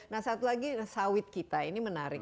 nah satu lagi sawit kita ini menarik